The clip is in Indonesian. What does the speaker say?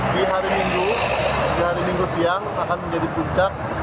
di hari minggu siang akan menjadi puncak